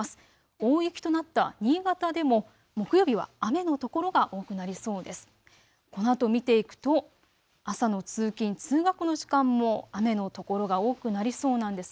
大雪となった新潟でも木曜日は雨の所が多くなりそうです。